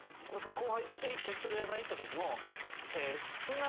後輩と一回焼き鳥屋さん行ったときも。